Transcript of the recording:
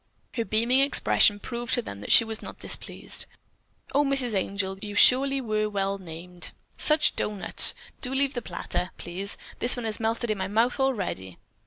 Her beaming expression proved to them that she was not displeased. "Oh, Mrs. Angel, you surely were well named." "Such doughnuts! Do leave the platter, please; this one has melted in my mouth already!"